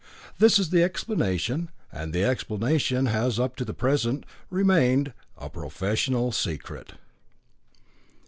This is the explanation, and the explanation has up to the present remained a professional secret.